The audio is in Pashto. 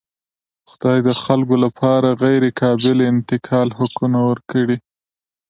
خدای د خلکو لپاره غیرقابل انتقال حقونه ورکړي.